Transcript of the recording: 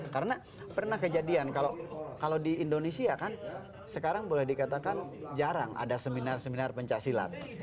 karena pernah kejadian kalau di indonesia kan sekarang boleh dikatakan jarang ada seminar seminar pencaksilat